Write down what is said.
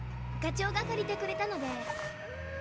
課長が借りてくれたので。